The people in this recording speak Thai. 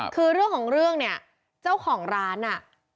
คือเรื่องของเรื่องเนี่ยเจ้าของร้านอ่ะ